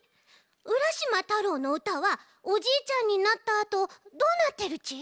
「浦島太郎」のうたはおじいちゃんになったあとどうなってるち？